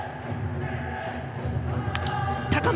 高め。